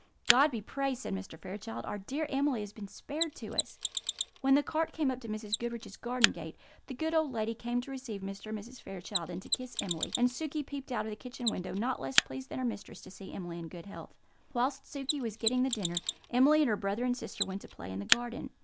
"God be praised!" said Mr. Fairchild. "Our dear Emily has been spared to us." When the cart came up to Mrs. Goodriche's garden gate, the good old lady came to receive Mr. and Mrs. Fairchild, and to kiss Emily; and Sukey peeped out of the kitchen window, not less pleased than her mistress to see Emily in good health. Whilst Sukey was getting the dinner, Emily and her brother and sister went to play in the garden.